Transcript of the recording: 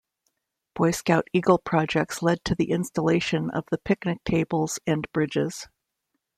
Boy Scout Eagle projects led to the installation of the picnic tables and bridges.